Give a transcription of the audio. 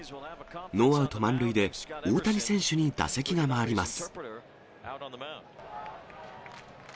ノーアウト満塁で大谷選手に打席が回ります。